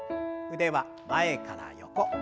腕は前から横。